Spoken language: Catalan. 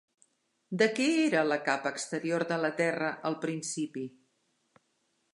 De què era la capa exterior de la terra al principi?